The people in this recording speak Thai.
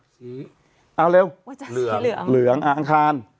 สีเอาเร็ววันจันทร์สีเหลืองอังคาร